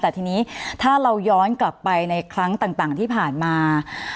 แต่ทีนี้ถ้าเราย้อนกลับไปในครั้งต่างที่ผ่านมา